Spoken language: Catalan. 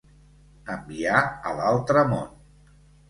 Enviar a l'altre món.